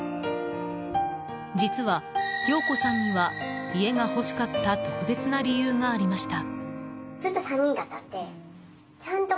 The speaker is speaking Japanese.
実は洋子さんには家が欲しかった特別な理由がありました。